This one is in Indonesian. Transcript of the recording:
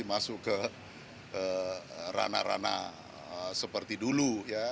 masuk ke ranah ranah seperti dulu ya